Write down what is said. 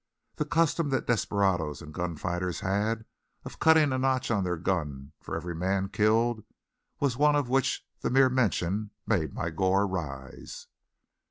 The custom that desperadoes and gun fighters had of cutting a notch on their guns for every man killed was one of which the mere mention made my gorge rise.